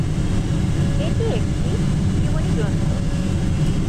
এটি একটি জীবনী গ্রন্থ।